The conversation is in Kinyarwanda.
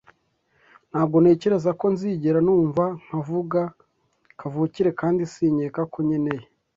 Ntabwo ntekereza ko nzigera numva nkavuga kavukire kandi sinkeka ko nkeneye